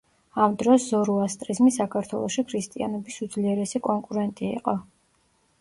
ამ დროს ზოროასტრიზმი საქართველოში ქრისტიანობის უძლიერესი კონკურენტი იყო.